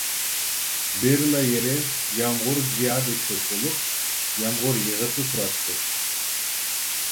بىرلا يېرى يامغۇر زىيادە كۆپ بولۇپ، يامغۇر يېغىپلا تۇراتتى.